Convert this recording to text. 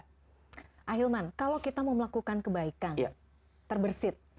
ahilman kalau kita mau melakukan kebaikan terbersih